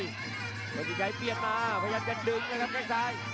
เวลาที่ใจเปลี่ยนมาพยายามจะดึงนะครับแค่ข้างซ้าย